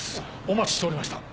お待ちしておりました。